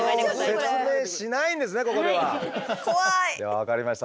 分かりました。